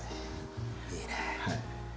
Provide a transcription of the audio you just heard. いいね！